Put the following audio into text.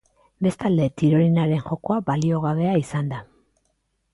Bestalde, tirolinaren jokoa baliogabea izan da.